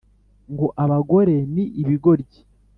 ngo abagore ni ibigoryi